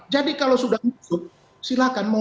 jadi kalau sudah duduk silakan